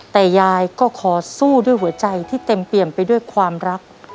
แต่ยายก็ขอสู้ด้วยหัวใจที่เต็มเปี่ยมไปด้วยความรัก